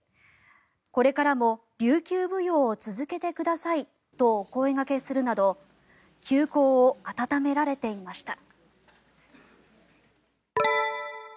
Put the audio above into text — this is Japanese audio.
これからも琉球舞踊を続けてくださいとお声掛けするなど旧交を温められていました。